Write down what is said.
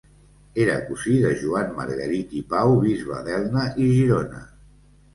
Era cosí de Joan Margarit i Pau, bisbe d'Elna i Girona.